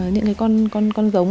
những cái con giống